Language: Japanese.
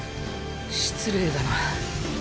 失礼だな。